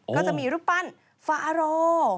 ก็จะมีรูปปั้นฟาอาโร